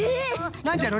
なんじゃろうね。